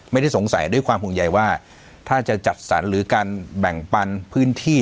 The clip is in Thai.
ไม่ได้สงสัยด้วยความห่วงใยว่าถ้าจะจัดสรรหรือการแบ่งปันพื้นที่